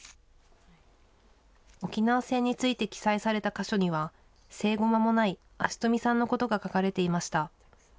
沖縄戦について記載された箇所には、生後間もない安次富さんのことが書かれていました。